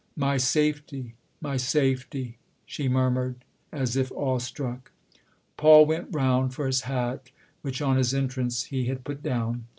" My safety my safety !" she mur mured as if awestruck. Paul went round for his hat, which on his entrance he had put down.